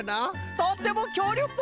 とってもきょうりゅうっぽいぞ！